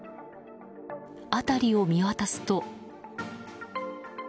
辺りを見渡すと。